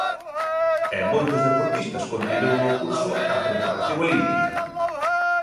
E moitos deportistas continúan o curso da preparación olímpica.